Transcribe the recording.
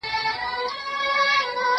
زه اجازه لرم چي بازار ته ولاړ سم؟